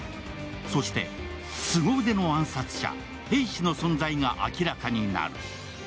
そしてすご腕の暗殺者、黒石の存在が明らかになる。